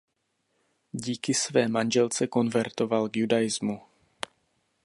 Díky své manželce konvertoval k Judaismu.